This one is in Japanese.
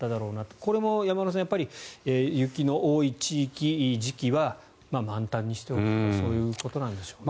これも山村さん、やっぱり雪の多い地域、時期は満タンにしておくとかそういうことなんでしょうかね。